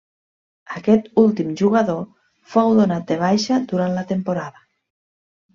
Aquest últim jugador fou donat de baixa durant la temporada.